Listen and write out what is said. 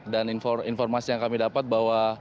dan informasi yang kami dapat bahwa